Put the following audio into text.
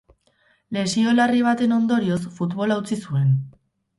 Lesio larri baten ondorioz, futbola utzi zuen.